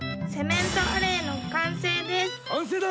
完成だ。